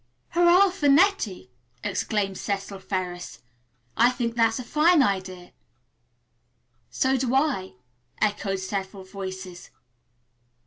"Hurrah for Nettie!" exclaimed Cecil Ferris. "I think that's a fine idea." "So do I," echoed several voices.